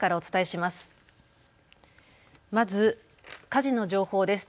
まず火事の情報です。